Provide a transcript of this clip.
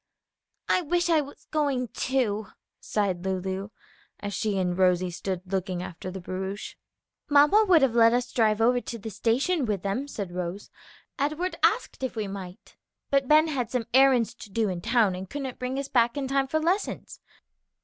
"I wish I was going, too!" sighed Lulu, as she and Rosie stood looking after the barouche. "Mamma would have let us drive over to the station with them," said Rose; "Edward asked if we might, but Ben had some errands to do in town, and couldn't bring us back in time for lessons."